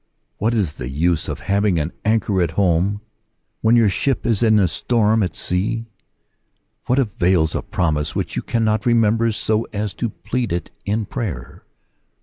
What is the use of having an anchor at home when your The Valuation of the Promises. 71 ship is in a storm at sea ? What avails a promise "which you cannot remember so as to plead it in prayer?